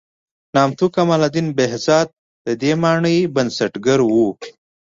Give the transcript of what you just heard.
نامتو کمال الدین بهزاد د دې مانۍ بنسټګر و.